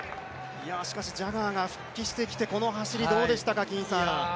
ジャガーが復帰してきてこの走りどうでしたか？